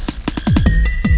gak ada yang nungguin